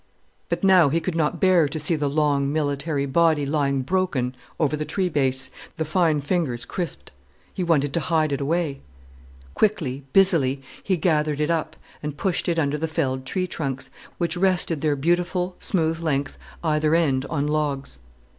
But he could not bear to see the long, military body lying broken over the tree base, the fine fingers crisped. He wanted to hide it away. Quickly, busily, he gathered it up and pushed it under the felled tree trunks, which rested their beautiful, smooth length either end on logs.